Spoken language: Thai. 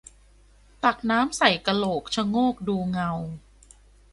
ตักน้ำใส่กะโหลก ชะโงกดูเงา